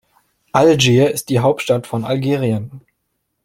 Algier ist die Hauptstadt von Algerien.